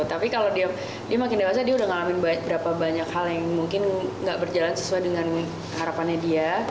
tapi kalau dia makin dewasa dia udah ngalamin berapa banyak hal yang mungkin gak berjalan sesuai dengan harapannya dia